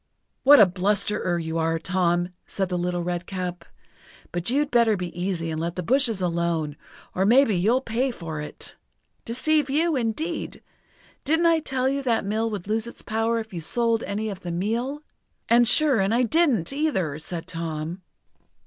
"What a blusterer you are, Tom!" said the Little Redcap, "but you'd better be easy and let the bushes alone, or maybe you'll pay for it! Deceive you, indeed! Didn't I tell you that mill would lose its power if you sold any of the meal?" "And sure and I didn't, either," said Tom.